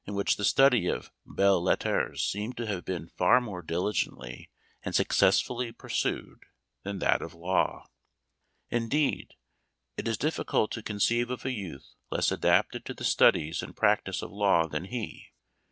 which the study of bcL seems to have been far more diligently and successfully pursued than that of law. Indeed, it is difficult to conceive of a youth less adapted to the studies and practice of law than he.